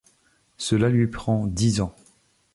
Cela lui prend dix ans.